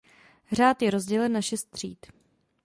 Řád je rozdělen na šest tříd.